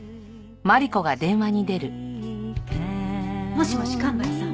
もしもし蒲原さん？